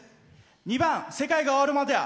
２番「世界が終るまでは」。